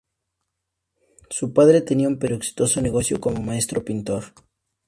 Su padre tenía un pequeño pero exitoso negocio como maestro pintor.